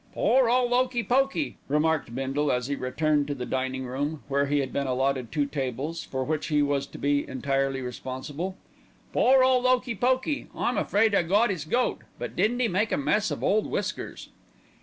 "Pore ole 'Okey Pokey!" remarked Bindle, as he returned to the dining room, where he had now been allotted two tables, for which he was to be entirely responsible. "Pore ole 'Okey Pokey. I'm afraid I got 'is goat; but didn't 'e make a mess of Ole Whiskers!"